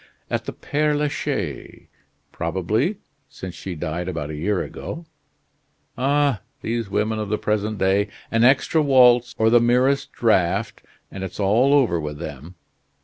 "At the Pere la Chaise, probably, since she died about a year ago. Ah! these women of the present day an extra waltz, or the merest draft, and it's all over with them!